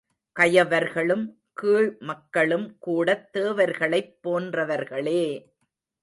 கயவர்களும் கீழ்மக்களும்கூடத் தேவர்களைப் போன்றவர்களே!